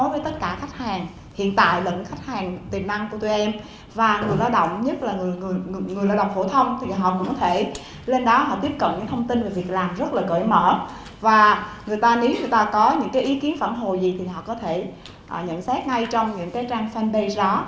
và nếu người ta có những ý kiến phản hồi gì thì họ có thể nhận xét ngay trong những trang fanpage đó